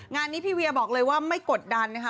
งานนี้พี่เวียบอกเลยว่าไม่กดดันนะคะ